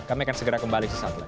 kami akan segera kembali sesaat lagi